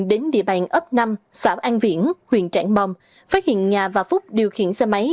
địa bàn ấp năm xã an viễn huyện trảng bom phát hiện nga và phúc điều khiển xe máy